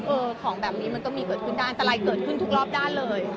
ของแบบนี้มันก็มีเกิดขึ้นได้อันตรายเกิดขึ้นทุกรอบด้านเลย